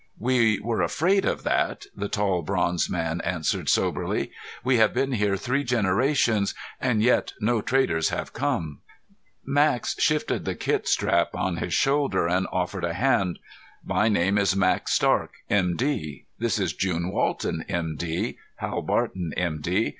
"We were afraid of that," the tall bronze man answered soberly. "We have been here three generations and yet no traders have come." Max shifted the kit strap on his shoulder and offered a hand. "My name is Max Stark, M.D. This is June Walton, M.D., Hal Barton, M.D.